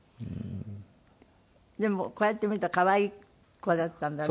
でもこうやって見ると可愛い子だったんだね。